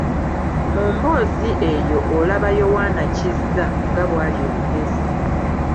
Mu mboozi eyo olaba Yoanna Kizza nga bw'ali omugezi.